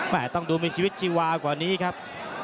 ต้องดูมีชีวิตชีวากว่านี้ครับ